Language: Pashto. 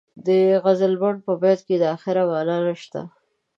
د غزلبڼ په بیت کې د اخر معنا نشته.